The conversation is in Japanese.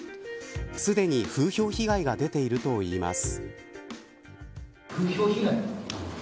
すでに風評被害が出ているといいます。